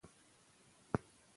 هغه ښوونځی چې اصلاح لري بریالی دی.